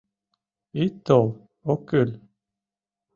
Ит тол, ок кӱл.